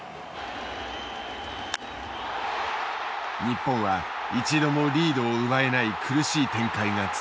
日本は一度もリードを奪えない苦しい展開が続いた。